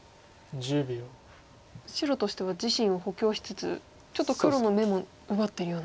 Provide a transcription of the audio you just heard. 白としては自身を補強しつつちょっと黒の眼も奪ってるような。